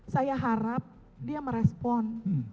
saya harap dia merespon